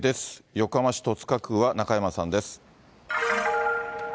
横浜市戸塚区は中山さんです。